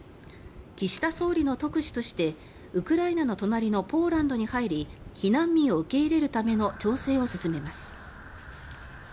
岸田総理の特使としてウクライナの隣のポーランドに入り避難民を受け入れるための調整を進めます。